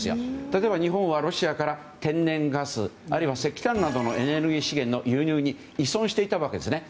例えば、日本はロシアから天然ガスあるいは石炭などのエネルギー資源の輸入に依存していたわけですね。